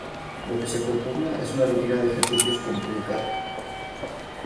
Lo que se propugna es una rutina de ejercicios que implica;